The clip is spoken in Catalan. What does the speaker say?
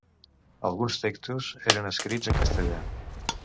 Alguns textos eren escrits en castellà.